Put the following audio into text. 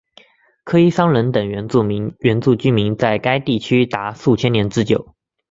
科伊桑人等原住民居住在该地区达数千年之久。